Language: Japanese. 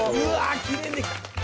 きれいにできた。